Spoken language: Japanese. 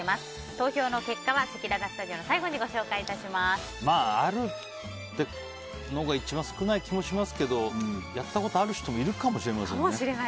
投票の結果はせきららスタジオの最後にあるっていうのが一番少ない気がしますけどやったことある人もいるかもしれませんね。